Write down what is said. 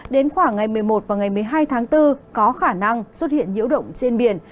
đến khoảng ngày một mươi một và ngày một mươi hai tháng bốn có khả năng xuất hiện nhiễu động trên biển